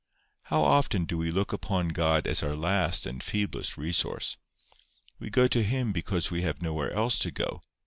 How often do we look upon God as our last and feeblest resource! We go to Him because we have nowhere else to go.